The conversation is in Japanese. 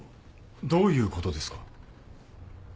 どういうことですか？